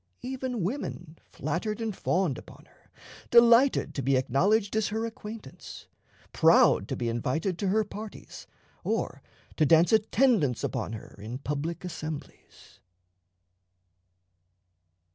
Even women flattered and fawned upon her, delighted to be acknowledged as her acquaintance, proud to be invited to her parties or to dance attendance upon her in public assemblies.